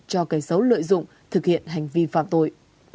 cho cây xấu lợi dụng thực hiện hành vi phạm tội